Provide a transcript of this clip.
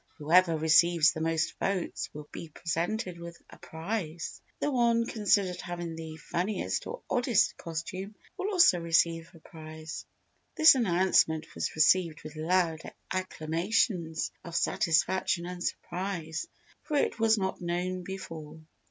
Whoever receives the most votes will be presented with a prize. The one considered having the funniest or oddest costume will also receive a prize." This announcement was received with loud acclamations of satisfaction and surprise, for it was not known before.